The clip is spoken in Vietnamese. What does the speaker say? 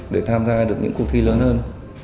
để tham gia được những cuộc thi lớn hơn